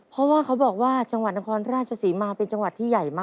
เพราะว่าเขาบอกว่าจังหวัดนครราชศรีมาเป็นจังหวัดที่ใหญ่มาก